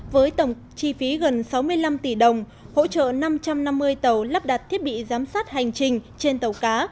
với tổng chi phí gần sáu mươi năm tỷ đồng hỗ trợ năm trăm năm mươi tàu lắp đặt thiết bị giám sát hành trình trên tàu cá